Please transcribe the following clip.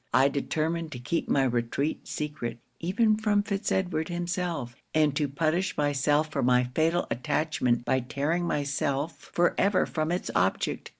I determined to keep my retreat secret, even from Fitz Edward himself; and to punish myself for my fatal attachment by tearing myself for ever from it's object.